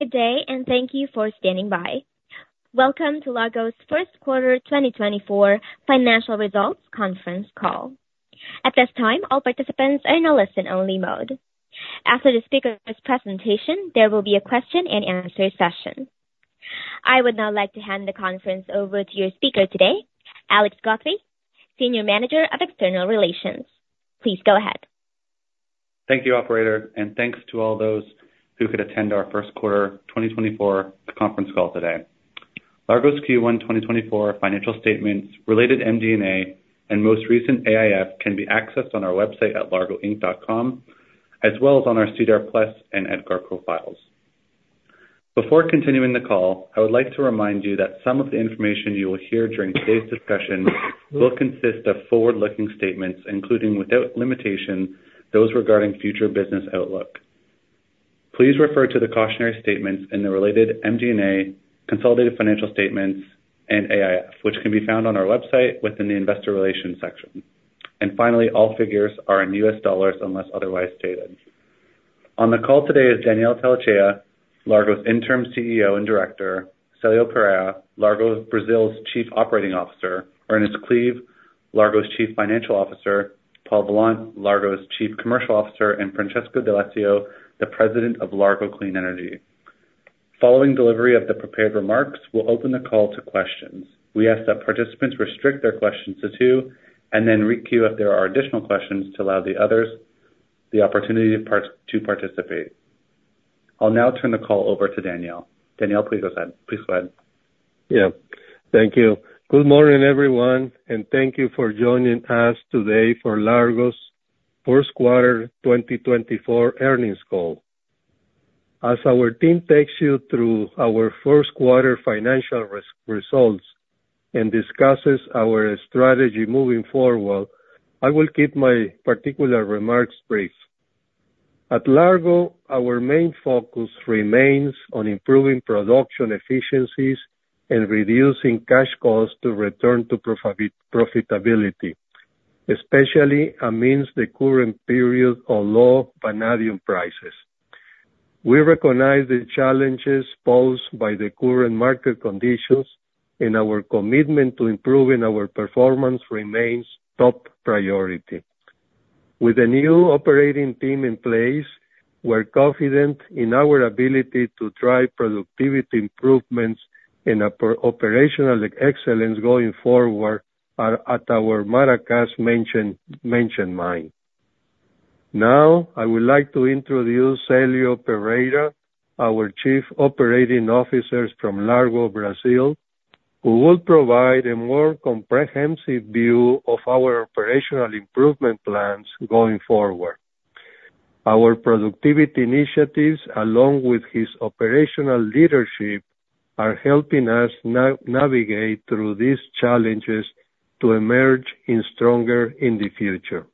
Good day, and thank you for standing by. Welcome to Largo's first quarter 2024 financial results conference call. At this time, all participants are in a listen-only mode. After the speaker's presentation, there will be a question and answer session. I would now like to hand the conference over to your speaker today, Alex Guthrie, Senior Manager of External Relations. Please go ahead. Thank you, operator, and thanks to all those who could attend our first quarter 2024 conference call today. Largo's Q1 2024 financial statements, related MD&A, and most recent AIF can be accessed on our website at largoinc.com, as well as on our SEDAR+ and EDGAR profiles. Before continuing the call, I would like to remind you that some of the information you will hear during today's discussion will consist of forward-looking statements, including, without limitation, those regarding future business outlook. Please refer to the cautionary statements in the related MD&A, consolidated financial statements, and AIF, which can be found on our website within the Investor Relations section. And finally, all figures are in U.S. dollars, unless otherwise stated. On the call today is Daniel Tellechea, Largo's Interim CEO and Director, Celio Pereira, Largo Brazil's Chief Operating Officer, Ernest Cleave, Largo's Chief Financial Officer, Paul Vollant, Largo's Chief Commercial Officer, and Francesco D'Alessio, the President of Largo Clean Energy. Following delivery of the prepared remarks, we'll open the call to questions. We ask that participants restrict their questions to two and then requeue if there are additional questions to allow the others the opportunity to participate. I'll now turn the call over to Daniel. Daniel, please go ahead. Please go ahead. Yeah. Thank you. Good morning, everyone, and thank you for joining us today for Largo's first quarter 2024 earnings call. As our team takes you through our first quarter financial results and discusses our strategy moving forward, I will keep my particular remarks brief. At Largo, our main focus remains on improving production efficiencies and reducing cash costs to return to profitability, especially amidst the current period of low vanadium prices. We recognize the challenges posed by the current market conditions, and our commitment to improving our performance remains top priority. With a new operating team in place, we're confident in our ability to drive productivity improvements and operational excellence going forward at our Maracás Menchen Mine. Now, I would like to introduce Celio Pereira, our Chief Operating Officer from Largo, Brazil, who will provide a more comprehensive view of our operational improvement plans going forward. Our productivity initiatives, along with his operational leadership, are helping us navigate through these challenges to emerge stronger in the future.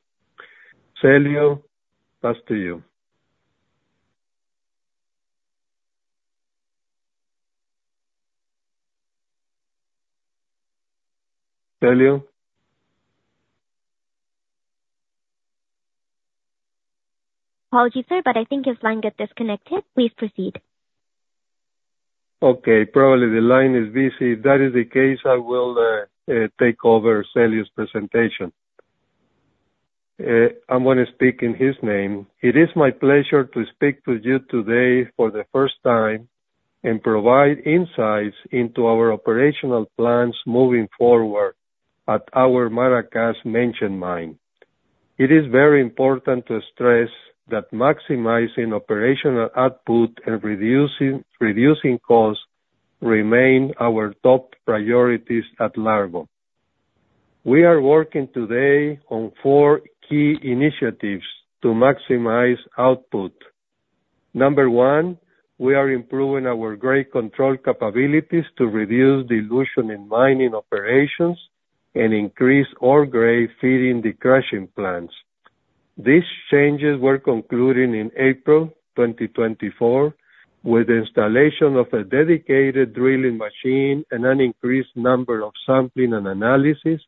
Celio, pass to you. Celio? Apologies, sir, but I think his line got disconnected. Please proceed. Okay, probably the line is busy. If that is the case, I will take over Celio's presentation. I'm gonna speak in his name. It is my pleasure to speak with you today for the first time and provide insights into our operational plans moving forward at our Maracás Menchen Mine. It is very important to stress that maximizing operational output and reducing costs remain our top priorities at Largo. We are working today on four key initiatives to maximize output. Number one, we are improving our grade control capabilities to reduce dilution in mining operations and increase ore grade feeding the crushing plants. These changes were concluding in April 2024, with installation of a dedicated drilling machine and an increased number of sampling and analysis,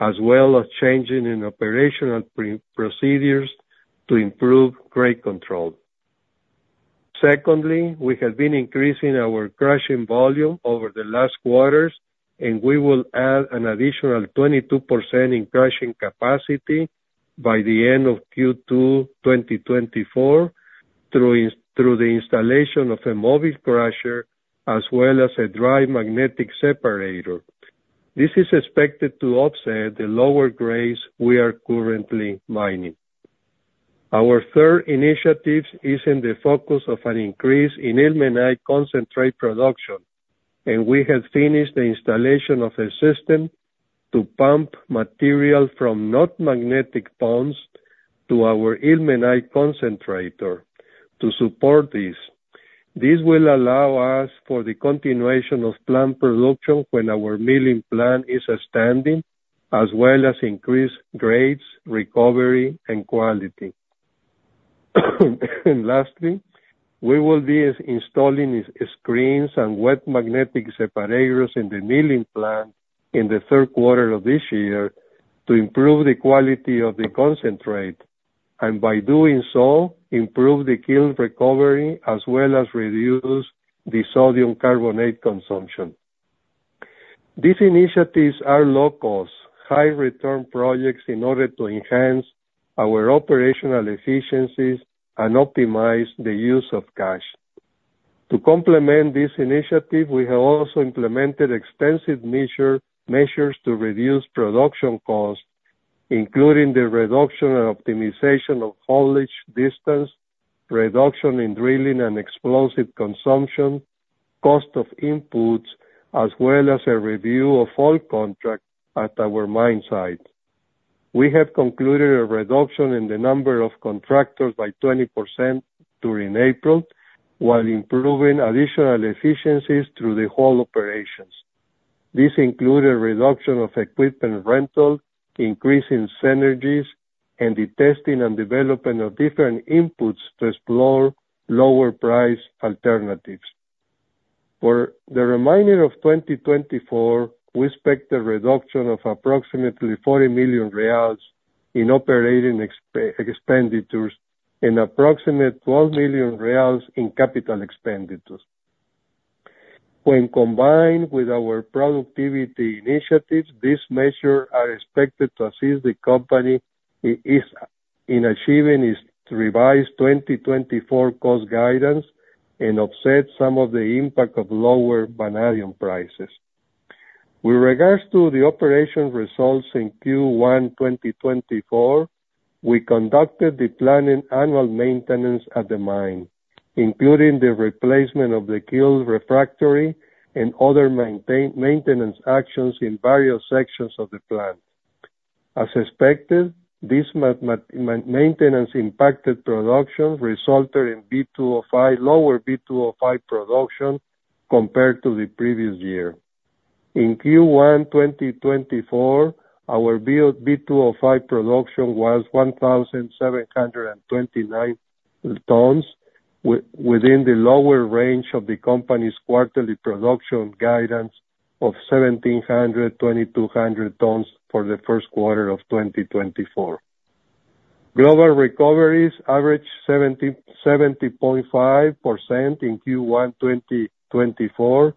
as well as changing in operational procedures to improve grade control. Secondly, we have been increasing our crushing volume over the last quarters, and we will add an additional 22% in crushing capacity by the end of Q2 2024, through the installation of a mobile crusher as well as a dry magnetic separator. This is expected to offset the lower grades we are currently mining. Our third initiative is in the focus of an increase in ilmenite concentrate production, and we have finished the installation of a system to pump material from non-magnetic ponds to our ilmenite concentrator to support this. This will allow us for the continuation of plant production when our milling plant is standing, as well as increased grades, recovery, and quality. Lastly, we will be installing screens and wet magnetic separators in the milling plant in the third quarter of this year to improve the quality of the concentrate. By doing so, improve the kiln recovery, as well as reduce the sodium carbonate consumption. These initiatives are low cost, high return projects in order to enhance our operational efficiencies and optimize the use of cash. To complement this initiative, we have also implemented extensive measures to reduce production costs, including the reduction and optimization of haulage distance, reduction in drilling and explosive consumption, cost of inputs, as well as a review of all contracts at our mine site. We have concluded a reduction in the number of contractors by 20% during April, while improving additional efficiencies through the whole operations. This includes a reduction of equipment rental, increase in synergies, and the testing and development of different inputs to explore lower price alternatives. For the remainder of 2024, we expect a reduction of approximately 40 million reais in operating expenditures and approximate 12 million reais in capital expenditures. When combined with our productivity initiatives, these measure are expected to assist the company is, in achieving its revised 2024 cost guidance and offset some of the impact of lower vanadium prices. With regards to the operation results in Q1 2024, we conducted the planning annual maintenance at the mine, including the replacement of the kiln refractory and other maintenance actions in various sections of the plant. As expected, this maintenance impacted production resulted in V2O5, lower V2O5 production compared to the previous year. In Q1 2024, our V2O5 production was 1,729 tons, within the lower range of the company's quarterly production guidance of 1,700-2,200 tons for the first quarter of 2024. Global recoveries averaged 70.5% in Q1 2024,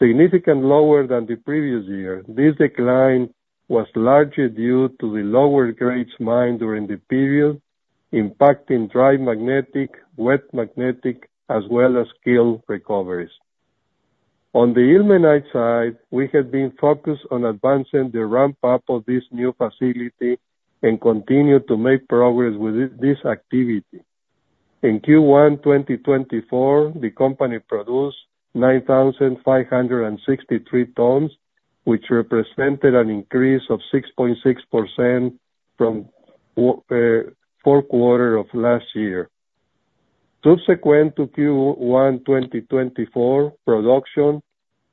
significantly lower than the previous year. This decline was largely due to the lower grades mined during the period, impacting dry magnetic, wet magnetic, as well as kiln recoveries. On the ilmenite side, we have been focused on advancing the ramp-up of this new facility and continue to make progress with this activity. In Q1 2024, the company produced 9,563 tons, which represented an increase of 6.6% from fourth quarter of last year. Subsequent to Q1 2024, production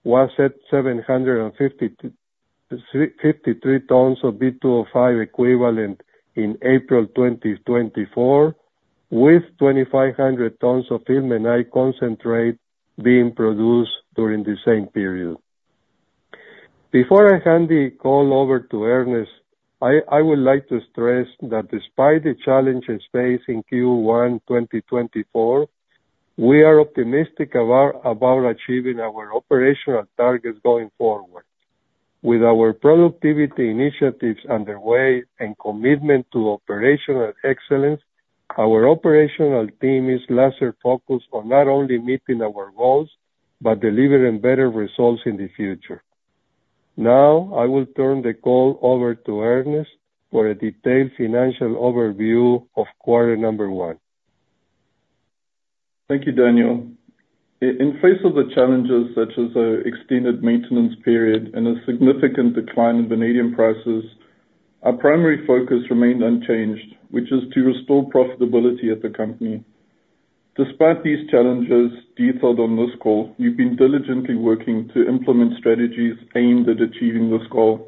was at 753 tons of V2O5 equivalent in April 2024, with 2,500 tons of ilmenite concentrate being produced during the same period. Before I hand the call over to Ernest, I would like to stress that despite the challenges faced in Q1 2024, we are optimistic about achieving our operational targets going forward. With our productivity initiatives underway and commitment to operational excellence, our operational team is laser-focused on not only meeting our goals, but delivering better results in the future. Now, I will turn the call over to Ernest for a detailed financial overview of quarter number one. Thank you, Daniel. In the face of the challenges, such as our extended maintenance period and a significant decline in vanadium prices, our primary focus remained unchanged, which is to restore profitability at the company. Despite these challenges, detailed on this call, we've been diligently working to implement strategies aimed at achieving this goal.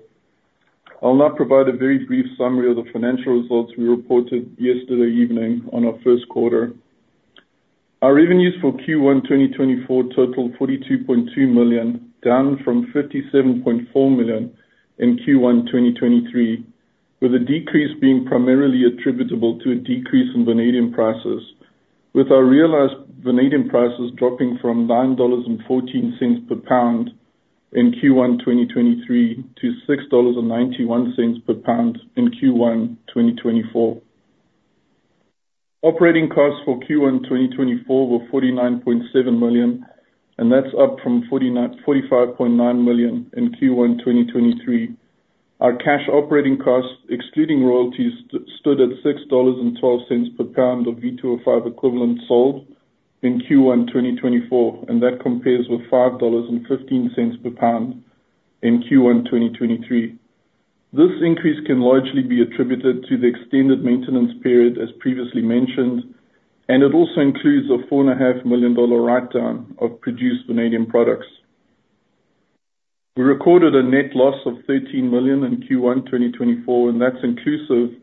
I'll now provide a very brief summary of the financial results we reported yesterday evening on our first quarter. Our revenues for Q1, 2024, totaled $42.2 million, down from $57.4 million in Q1, 2023, with a decrease being primarily attributable to a decrease in vanadium prices, with our realized vanadium prices dropping from $9.14 per pound in Q1, 2023, to $6.91 per pound in Q1, 2024. Operating costs for Q1 2024 were $49.7 million, and that's up from $45.9 million in Q1 2023. Our cash operating costs, excluding royalties, stood at $6.12 per pound of V2O5 equivalent sold in Q1 2024, and that compares with $5.15 per pound in Q1 2023. This increase can largely be attributed to the extended maintenance period, as previously mentioned, and it also includes a $4.5 million write-down of produced vanadium products. We recorded a net loss of $13 million in Q1 2024, and that's inclusive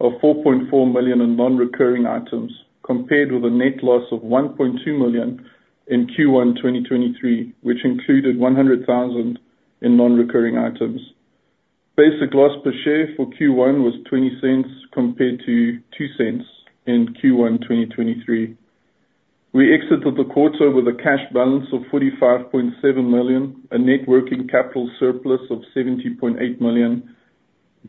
of $4.4 million in non-recurring items, compared with a net loss of $1.2 million in Q1 2023, which included $100,000 in non-recurring items. Basic loss per share for Q1 was $0.20 compared to $0.02 in Q1 2023. We exited the quarter with a cash balance of $45.7 million, a net working capital surplus of $70.8 million,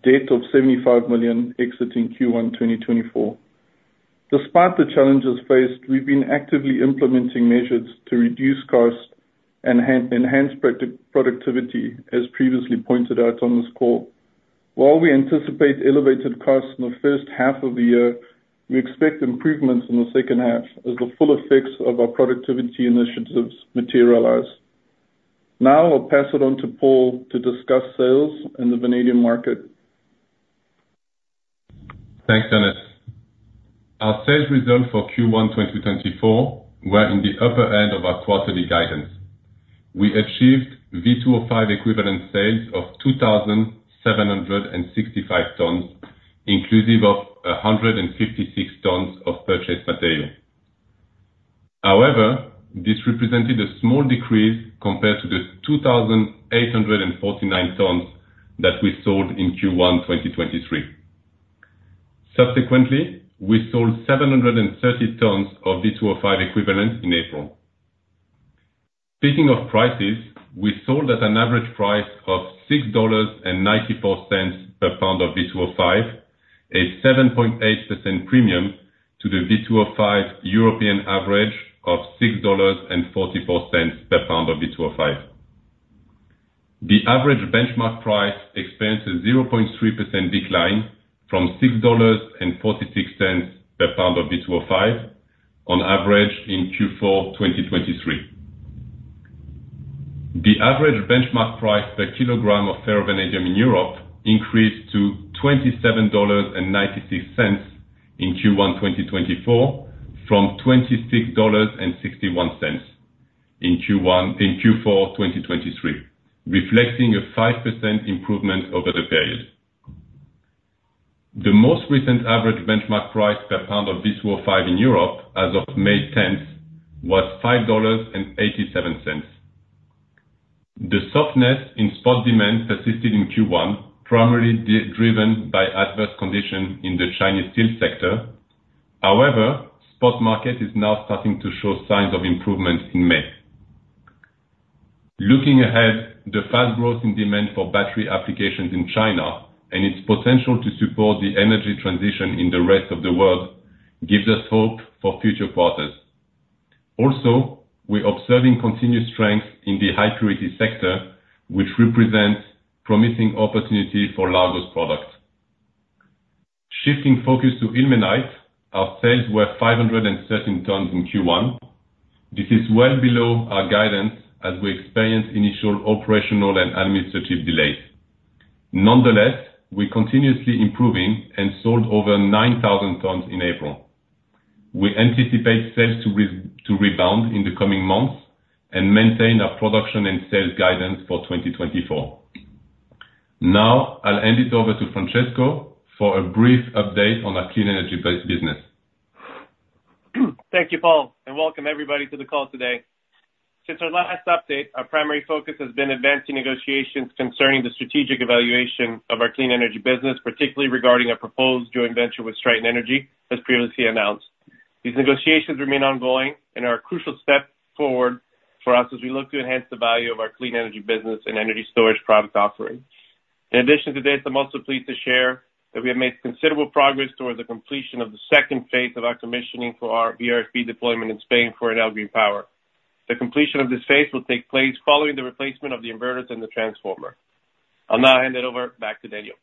debt of $75 million exiting Q1 2024. Despite the challenges faced, we've been actively implementing measures to reduce costs and enhance productivity, as previously pointed out on this call. While we anticipate elevated costs in the first half of the year, we expect improvements in the second half as the full effects of our productivity initiatives materialize. Now I'll pass it on to Paul to discuss sales in the vanadium market. Thanks, Ernest. Our sales results for Q1 2024 were in the upper end of our quarterly guidance. We achieved V2O5 equivalent sales of 2,765 tons, inclusive of 156 tons of purchased material. However, this represented a small decrease compared to the 2,849 tons that we sold in Q1 2023. Subsequently, we sold 730 tons of V2O5 equivalent in April. Speaking of prices, we sold at an average price of $6.94 per pound of V2O5, a 7.8% premium to the V2O5 European average of $6.44 per pound of V2O5. The average benchmark price experienced a 0.3% decline from $6.46 per pound of V2O5 on average in Q4 2023. The average benchmark price per kilogram of ferrovanadium in Europe increased to $27.96 in Q1 2024, from $26.61 in Q4 2023, reflecting a 5% improvement over the period. The most recent average benchmark price per pound of V2O5 in Europe as of May 10, was $5.87. The softness in spot demand persisted in Q1, primarily driven by adverse conditions in the Chinese steel sector. However, spot market is now starting to show signs of improvement in May. Looking ahead, the fast growth in demand for battery applications in China and its potential to support the energy transition in the rest of the world gives us hope for future quarters. Also, we're observing continued strength in the high purity sector, which represents promising opportunity for Largo's products. Shifting focus to ilmenite, our sales were 513 tons in Q1. This is well below our guidance as we experienced initial operational and administrative delays. Nonetheless, we're continuously improving and sold over 9,000 tons in April. We anticipate sales to rebound in the coming months and maintain our production and sales guidance for 2024. Now I'll hand it over to Francesco for a brief update on our clean energy-based business. Thank you, Paul, and welcome everybody to the call today. Since our last update, our primary focus has been advancing negotiations concerning the strategic evaluation of our clean energy business, particularly regarding a proposed joint venture with Stryten Energy, as previously announced. These negotiations remain ongoing and are a crucial step forward for us as we look to enhance the value of our clean energy business and energy storage product offerings. In addition to this, I'm also pleased to share that we have made considerable progress towards the completion of the second phase of our commissioning for our VRF deployment in Spain for Enel Green Power. The completion of this phase will take place following the replacement of the inverters and the transformer. I'll now hand it over back to Daniel.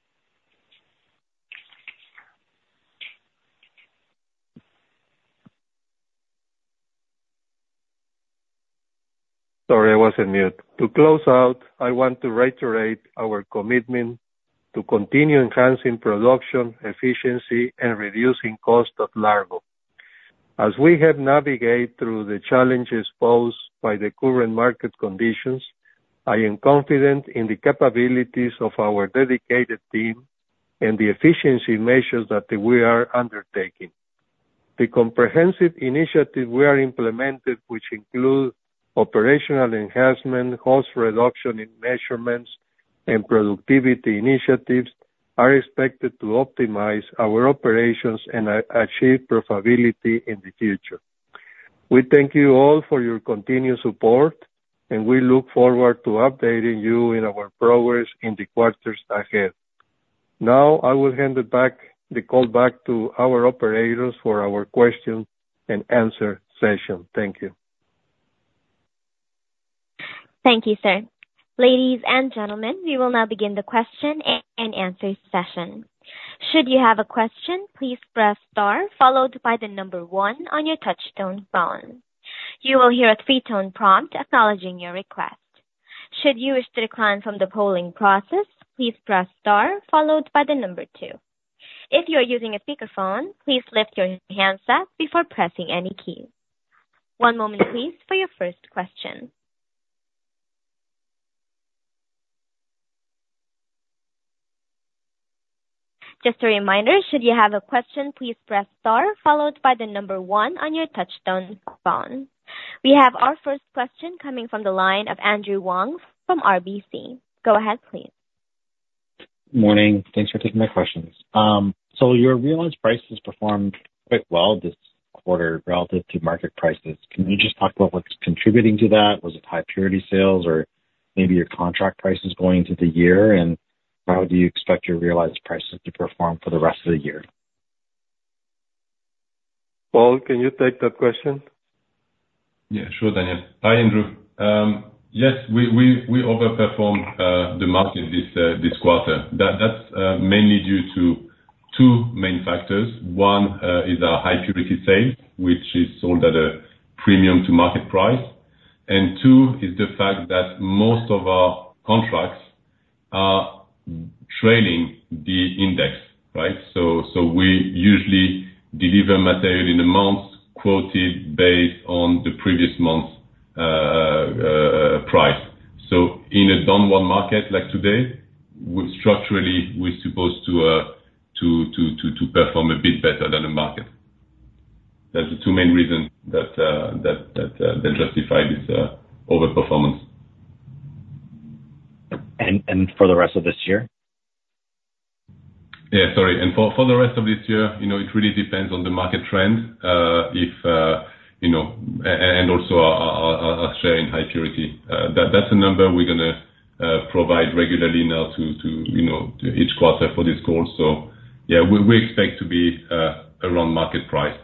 Sorry, I was on mute. To close out, I want to reiterate our commitment to continue enhancing production, efficiency, and reducing cost at Largo. As we have navigated through the challenges posed by the current market conditions, I am confident in the capabilities of our dedicated team and the efficiency measures that we are undertaking. The comprehensive initiatives we are implementing, which include operational enhancements, cost reduction initiatives, and productivity initiatives, are expected to optimize our operations and achieve profitability in the future. We thank you all for your continued support, and we look forward to updating you on our progress in the quarters ahead. Now, I will hand the call back to our operators for our question and answer session. Thank you. Thank you, sir. Ladies and gentlemen, we will now begin the question and answer session. Should you have a question, please press star followed by the number one on your touchtone phone. You will hear a three-tone prompt acknowledging your request. Should you wish to decline from the polling process, please press star followed by the number two. If you are using a speakerphone, please lift your handset before pressing any key. One moment, please, for your first question.... Just a reminder, should you have a question, please press star followed by the number one on your touchtone phone. We have our first question coming from the line of Andrew Wong from RBC. Go ahead, please. Morning. Thanks for taking my questions. So, your realized prices performed quite well this quarter relative to market prices. Can you just talk about what's contributing to that? Was it high purity sales or maybe your contract prices going into the year? And how do you expect your realized prices to perform for the rest of the year? Paul, can you take that question? Yeah, sure, Daniel. Hi, Andrew. Yes, we overperformed the market this quarter. That's mainly due to two main factors. One is our high purity sales, which is sold at a premium to market price. And two is the fact that most of our contracts are trailing the index, right? So we usually deliver material in the month quoted based on the previous month's price. So in a down one market like today, we structurally we're supposed to perform a bit better than the market. That's the two main reasons that justify this overperformance. And for the rest of this year? Yeah, sorry. And for the rest of this year, you know, it really depends on the market trend. If you know, and also our share in high purity. That's a number we're gonna provide regularly now to you know, to each quarter for this call. So, yeah, we expect to be around market price,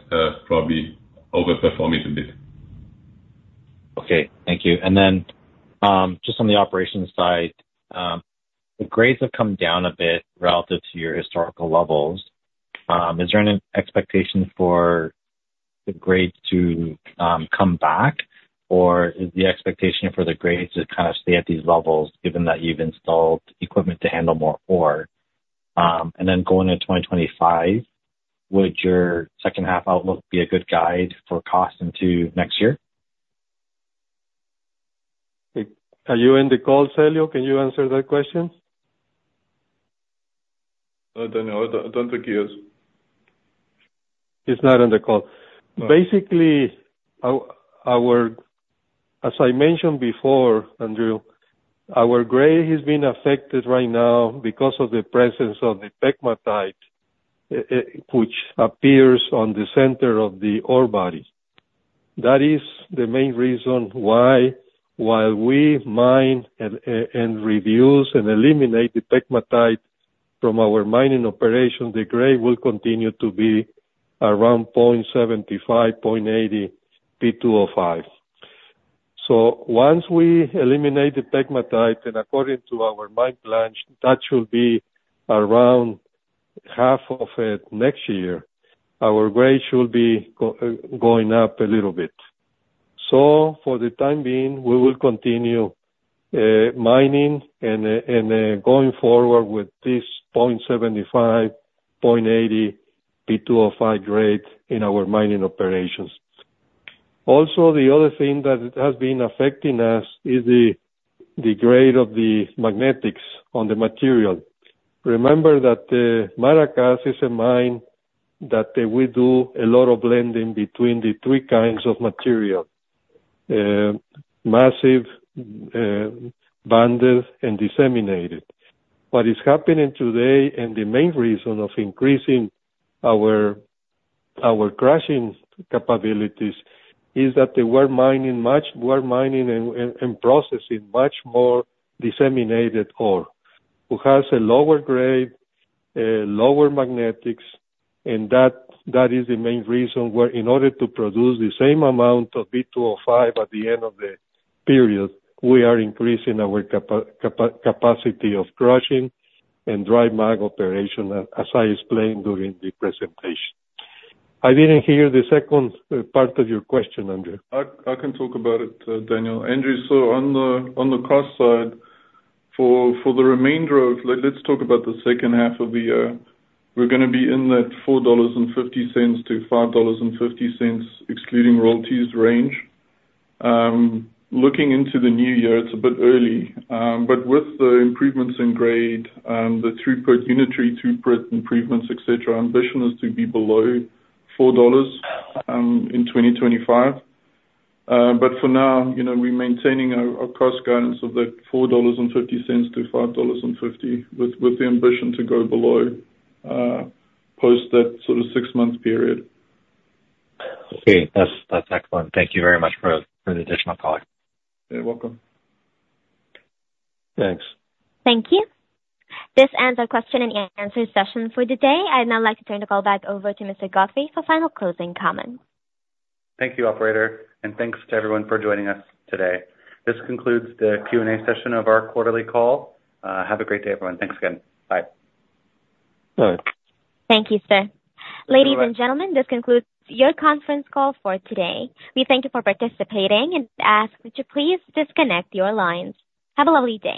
probably overperforming a bit. Okay. Thank you. And then, just on the operations side, the grades have come down a bit relative to your historical levels. Is there any expectation for the grades to come back, or is the expectation for the grades to kind of stay at these levels, given that you've installed equipment to handle more ore? And then going into 2025, would your second half outlook be a good guide for cost into next year? Are you in the call, Celio? Can you answer that question? Daniel, I don't think he is. He's not on the call. Basically, our, as I mentioned before, Andrew, our grade has been affected right now because of the presence of the pegmatite, which appears on the center of the ore body. That is the main reason why, while we mine and reduce and eliminate the pegmatite from our mining operation, the grade will continue to be around 0.75-0.80 V2O5. So once we eliminate the pegmatite, and according to our mine plan, that should be around half of it next year, our grade should be going up a little bit. So for the time being, we will continue mining and going forward with this 0.75-0.80 V2O5 grade in our mining operations. Also, the other thing that has been affecting us is the grade of the magnetics on the material. Remember that Maracas is a mine that we do a lot of blending between the three kinds of material, massive, bonded and disseminated. What is happening today, and the main reason of increasing our crushing capabilities, is that we're mining and processing much more disseminated ore, which has a lower grade, lower magnetics, and that is the main reason why in order to produce the same amount of V2O5 at the end of the period, we are increasing our capacity of crushing and dry mag operation, as I explained during the presentation. I didn't hear the second part of your question, Andrew. I can talk about it, Daniel. Andrew, so on the cost side, for the remainder of... Let's talk about the second half of the year. We're gonna be in that $4.50-$5.50, excluding royalties range. Looking into the new year, it's a bit early, but with the improvements in grade and the throughput, unitary throughput improvements, et cetera, our ambition is to be below $4 in 2025. But for now, you know, we're maintaining our cost guidance of that $4.50-$5.50, with the ambition to go below post that sort of six-month period. Okay. That's, that's excellent. Thank you very much for, for the additional color. You're welcome. Thanks. Thank you. This ends our question and answer session for the day. I'd now like to turn the call back over to Mr. Guthrie for final closing comments. Thank you, operator, and thanks to everyone for joining us today. This concludes the Q&A session of our quarterly call. Have a great day, everyone. Thanks again. Bye. Bye. Thank you, sir. Ladies and gentlemen, this concludes your conference call for today. We thank you for participating and ask that you please disconnect your lines. Have a lovely day.